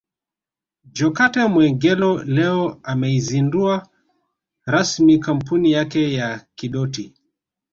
Jokate Mwegelo leo ameizundua rasmi kampuni yake ya Kidoti